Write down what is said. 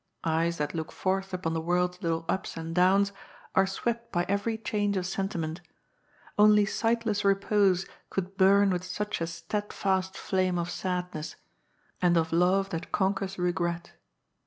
Eyes that look forth upon the world's little ups and downs are swept by every change of sentiment ; only sightless repose could bum with such a steadfast flame of sadness, and of love that conquers regret.